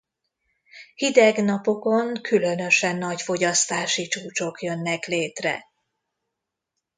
Hideg napokon különösen nagy fogyasztási csúcsok jönnek létre.